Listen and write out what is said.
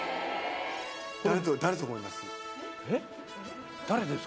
誰だと思います？